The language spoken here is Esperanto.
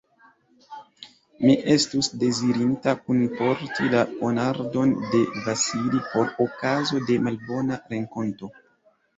Mi estus dezirinta kunporti la ponardon de Vasili, por okazo de malbona renkonto.